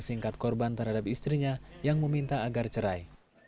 singkat korban terhadap istrinya yang meminta agar cerai